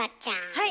はい。